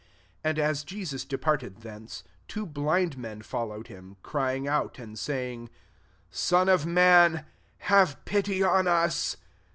27 And as Jesus departed thence, two blind men followed him, crying out, and saying, Son of David, have pity on us."